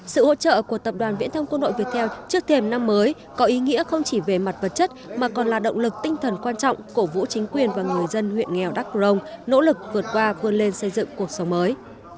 sự hỗ trợ của tập đoàn viễn thông quân đội việt theo trước thềm năm mới có ý nghĩa không chỉ về mặt vật chất mà còn là động lực tinh thần quan trọng cổ vũ chính quyền và người dân huyện nghèo đắk rồng nỗ lực vượt qua vươn lên xây dựng cuộc sống mới